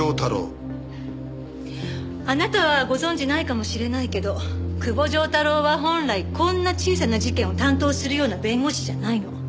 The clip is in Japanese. あなたはご存じないかもしれないけど久保丈太郎は本来こんな小さな事件を担当するような弁護士じゃないの。